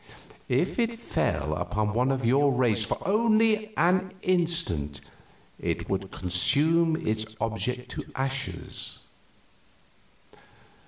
If it fell upon one of your race for only an instant, it would consume its object to ashes.